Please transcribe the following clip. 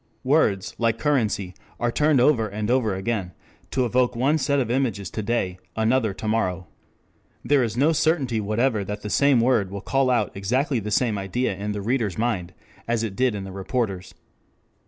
Words, like currency, are turned over and over again, to evoke one set of images to day, another to morrow. There is no certainty whatever that the same word will call out exactly the same idea in the reader's mind as it did in the reporter's.